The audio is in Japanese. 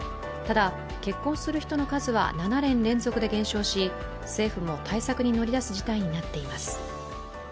ただ、結婚する人の数は７年連続で減少し、政府も対策に乗り出す事態になっています。